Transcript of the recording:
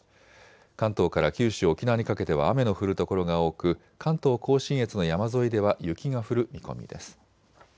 関東から九州・沖縄にかけては雨の降る所が多く関東甲信越の山沿いでは雪が降る見込みです。